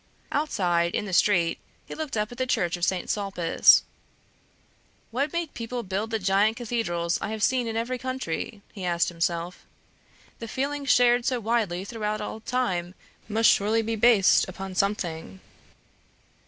Outside, in the street, he looked up at the Church of Saint Sulpice. "What made people build the giant cathedrals I have seen in every country?" he asked himself. "The feeling shared so widely throughout all time must surely be based upon something."